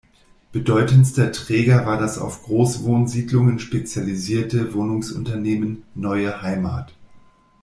Bedeutendster Träger war das auf Großwohnsiedlungen spezialisierte Wohnungsunternehmen Neue Heimat.